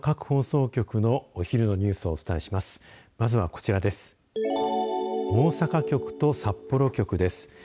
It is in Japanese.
大阪局と札幌局です。